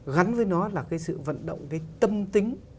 gắn với nó là cái sự vận động cái tâm tính